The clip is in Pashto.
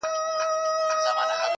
د علومو تر منځ پوله ټاکل ګران کار دی.